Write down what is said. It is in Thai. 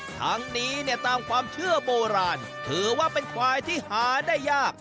ทั้งนี้เนี่ยตามความเชื่อโบราณถือว่าเป็นควายที่หาได้ยาก